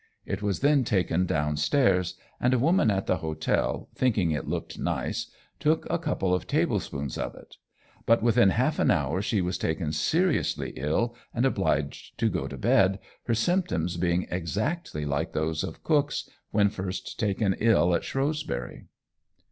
It was then taken downstairs, and a woman at the hotel, thinking it looked nice, took a couple of tablespoonfuls of it; but within half an hour she was taken seriously ill, and obliged to go to bed, her symptoms being exactly like those of Cook's when first taken ill at Shrewsbury.